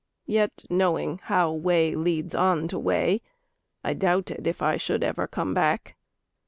Yet knowing how way leads on to way, I doubted if I should ever come back.